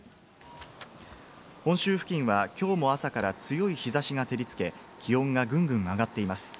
本州付近はきょうも朝から強い日差しが照りつけ、気温がぐんぐん上がっています。